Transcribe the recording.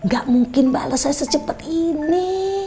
gak mungkin balasnya secepet ini